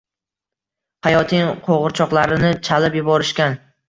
Hayoting qo’ng’iroqchalarini chalib yuborishgan.